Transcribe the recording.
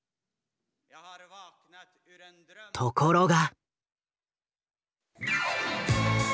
ところが。